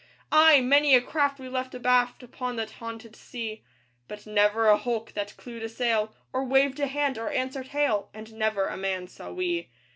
Ay! many a craft we left abaft Upon that haunted sea; But never a hulk that clewed a sail, Or waved a hand, or answered hail, And never a man saw we.